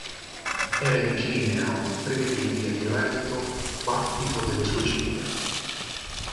Era incline a un imprevedibile, violento battito delle sue ciglia.